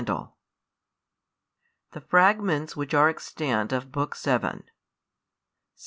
] THE FRAGMENTS WHICH ARE EXTANT OF BOOK VII.